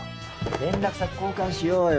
連絡先交換しようよ。